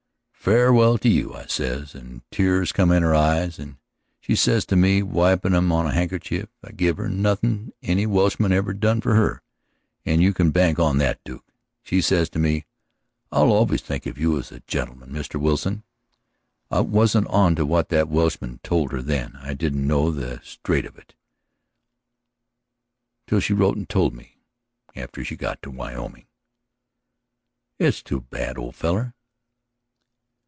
"'Farewell to you,' I says, and the tears come in her eyes, and she says to me wipin' 'em on a han'kerchief I give her, nothing any Welshman ever done for her, and you can bank on that Duke she says to me: 'I'll always think of you as a gentleman, Mr. Wilson.' I wasn't onto what that Welshman told her then; I didn't know the straight of it till she wrote and told me after she got to Wyoming." "It was too bad, old feller."